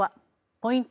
ポイント